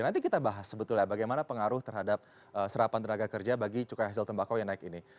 nanti kita bahas sebetulnya bagaimana pengaruh terhadap serapan tenaga kerja bagi cukai hasil tembakau yang naik ini